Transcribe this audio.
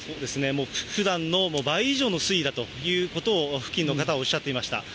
もうふだんの倍以上の水位だということを、付近の方はおっしゃっていました。